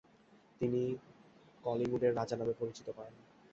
তিনি 'কলিংউডের রাজা' নামে পরিচিতি পান।